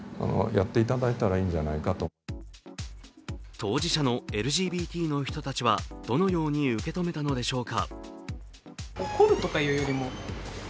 当事者のＬＧＢＴの人たちは、どのように受け止めたのでしょうか。